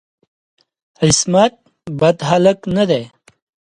عصمت بد هلک نه دی.